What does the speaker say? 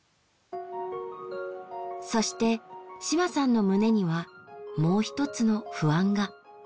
そして島さんの胸にはもう一つの不安が。